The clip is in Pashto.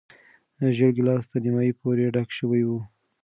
زېړ ګیلاس تر نیمايي پورې ډک شوی و.